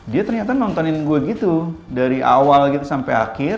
dia ternyata nontonin gue gitu dari awal gitu sampai akhir